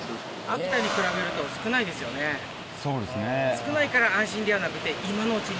少ないから安心ではなくて今のうちに。